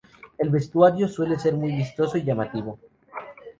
El vestuario suele ser muy vistoso y llamativo.